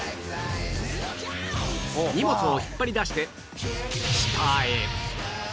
荷物を引っ張り出して下へ